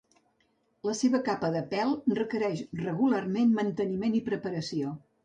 La seva capa de pèl requereix regularment manteniment i preparació.